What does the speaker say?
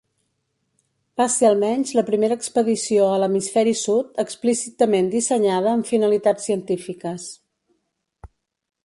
Va ser almenys la primera expedició a l'hemisferi sud explícitament dissenyada amb finalitats científiques.